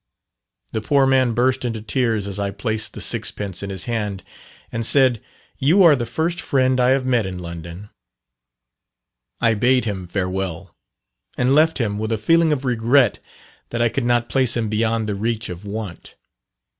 The poor man burst into tears as I placed the sixpence in his hand, and said "You are the first friend I have met in London." I bade him farewell, and left him with a feeling of regret that I could not place him beyond the reach of want.